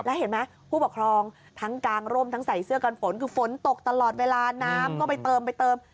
แล้วเห็นไหมผู้ปกครองทั้งกางร่มทั้งใส่เสื้อกันฝนคือฝนตกตลอดเวลาน้ำก็ไปเติมไปเติม